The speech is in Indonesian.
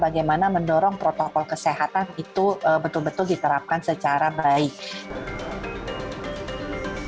bagaimana mendorong protokol kesehatan itu betul betul diterapkan secara baik